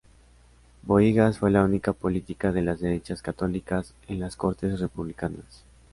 Bohigas fue la única política de las derechas católicas en las Cortes republicanas.